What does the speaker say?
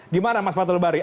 gimana mas fathul bari